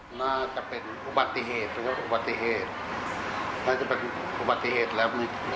เหมือนเห็นที่เบื้องต้นคุยเข้าบ้านเขามีเกษตรอะไรไหมคะ